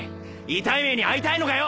痛い目に遭いたいのかよ！